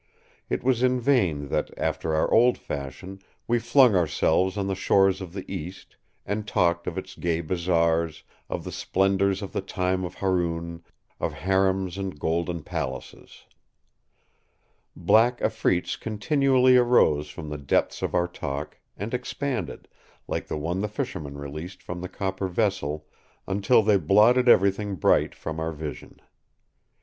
It was in vain that, after our old fashion, we flung ourselves on the shores of the East, and talked of its gay bazaars, of the splendors of the time of Haroun, of harems and golden palaces. Black afreets continually arose from the depths of our talk, and expanded, like the one the fisherman released from the copper vessel, until they blotted everything bright from our vision.